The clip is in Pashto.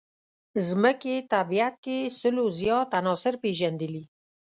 ځمکې طبیعت کې سلو زیات عناصر پېژندلي.